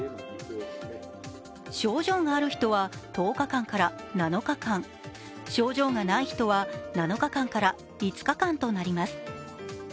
症状がある人は１０日間から７日間、症状がない人は７日間から５日間となります。